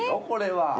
これは。